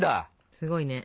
すごいね。